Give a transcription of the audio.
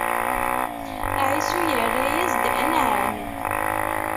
Ɛisu yerra-yas-d: Anɛam!